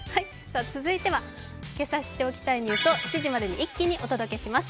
続いてはけさ知っておきたいニュースを７時までに一気にお届けします。